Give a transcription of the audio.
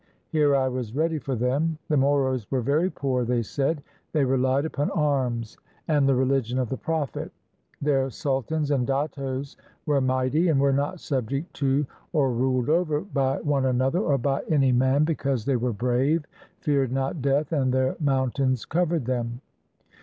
Here I was ready for them. The Moros were very poor, they said ; they rehed upon arms and the rehgion of the Prophet; their sultans and dattos were mighty, and were not subject to or ruled over by one another, or by any man, because they were brave, feared not death, and their mountains covered them.